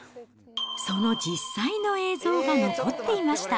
その実際の映像が残っていました。